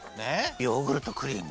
ヨーグルトクリーム。